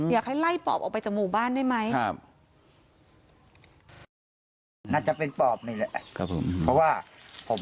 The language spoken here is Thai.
อยากให้ไล่ปอบออกไปจากหมู่บ้านได้ไหม